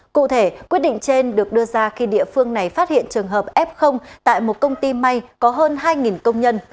cụ thể quyết định trên được đưa ra khi địa phương này phát hiện trường hợp f tại một công ty may có hơn hai công nhân